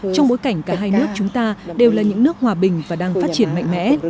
trong bối cảnh cả hai nước chúng ta đều là những nước hòa bình và đang phát triển mạnh mẽ